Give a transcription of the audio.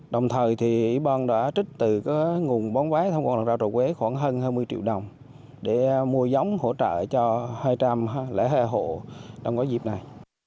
đồng thời thì yên bằng đã trích từ nguồn bóng vái thông qua rau trà quế khoảng hơn hai mươi triệu đồng để mua giống hỗ trợ cho hai trăm linh lễ hệ hộ trong dịp này